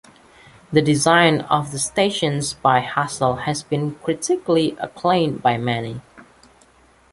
The design of the station by Hassell has been critically acclaimed by many.